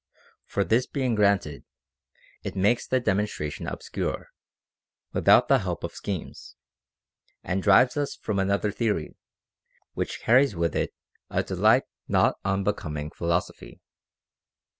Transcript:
For this being granted, it makes the demonstration obscure, without the help of schemes, and drives us from another theory, which carries with it a delight not unbecoming philosophy.